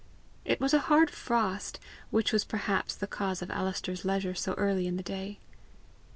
It was a hard frost, which was perhaps the cause of Alister's leisure so early in the day.